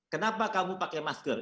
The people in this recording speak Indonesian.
kenapa kamu pakai masker